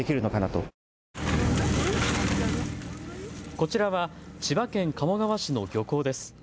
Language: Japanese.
こちらは千葉県鴨川市の漁港です。